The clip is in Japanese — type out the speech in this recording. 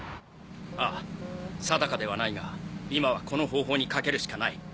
ああ定かではないが今はこの方法にかけるしかない。